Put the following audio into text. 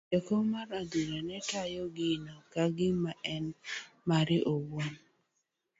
Jaokom mar adhula ne tayo gino ka gima en mare owuon.